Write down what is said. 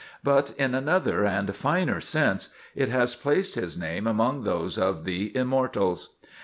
But, in another and finer sense, it has placed his name among those of the Immortals.